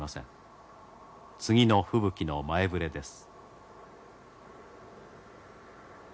次の吹雪の前触れです。